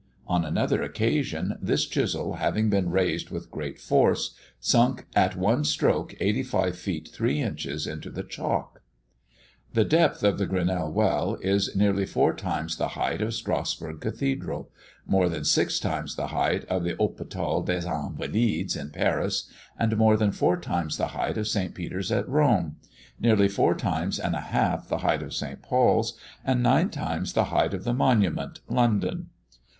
On another occasion, this chisel having been raised with great force, sunk at one stroke 85 feet 3 inches into the chalk! Footnote 7: The depth of the Grenelle Well is nearly four times the height of Strasburg Cathedral; more than six times the height of the Hospital des Invalides, at Paris; more than four times the height of St. Peter's, at Rome; nearly four times and a half the height of St. Paul's, and nine times the height of the Monument, London.